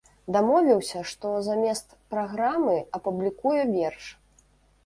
Дамовіўся, што замест праграмы апублікуе верш.